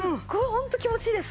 ホント気持ちいいです。